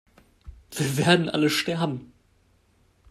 Wir werden alle sterben!